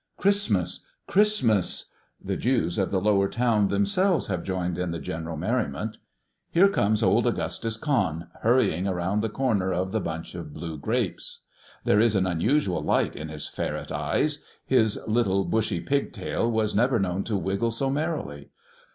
Christmas! Christmas! The Jews of the lower town themselves have joined in the general merriment. Here comes old Augustus Cahn, hurrying around the corner of "The Bunch of Blue Grapes." There is an unusual light in his ferret eyes. His little bushy pigtail was never known to wriggle so merrily.